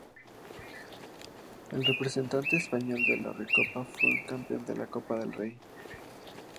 El representante español en la Recopa fue el campeón de la Copa del Rey.